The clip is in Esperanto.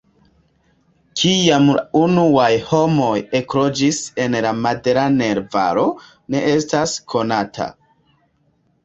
Kiam la unuaj homoj ekloĝis en la Maderaner-Valo ne estas konata.